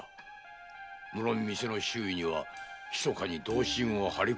むろん店の周囲にはひそかに同心を張り込ませてな。